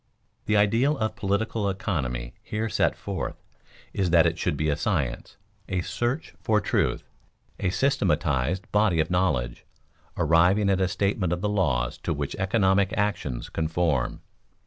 _The ideal of political economy here set forth is that it should be a science, a search for truth, a systematized body of knowledge, arriving at a statement of the laws to which economic actions conform.